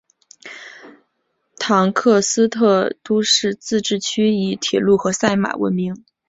唐克斯特都市自治市以铁路和赛马闻名。